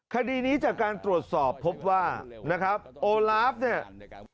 คดีนี้จากการตรวจสอบพบว่านะครับโอลาฟเนี่ย